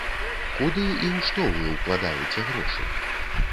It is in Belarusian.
Куды і ў што вы ўкладаеце грошы?